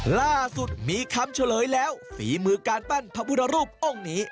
ล่าสุดมีคำเฉลยแล้วฝีมือการปั้นพระพุทธรูปองค์นี้